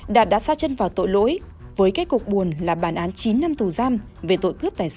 đạt đã xa chân vào tội lỗi với kết cục buồn là bàn án chín năm tù giam về tội cướp tài sản